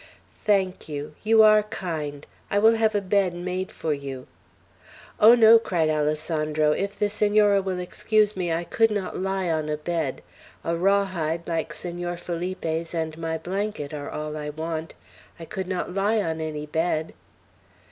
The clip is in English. "Thank you! You are kind. I will have a bed made for you." "Oh, no." cried Alessandro; "if the Senora will excuse me, I could not lie on a bed. A raw hide like Senor Felipe's, and my blanket, are all I want. I could not lie on any bed."